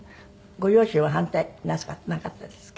ご両親は反対なさらなかったですか？